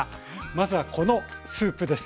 まずはこのスープです。